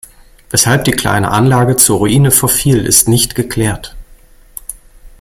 Weshalb die kleine Anlage zur Ruine verfiel, ist nicht geklärt.